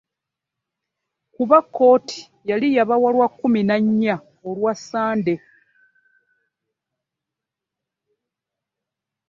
Kuba kkooti yali yabawa lwa kkumi na nnya olwa Ssande.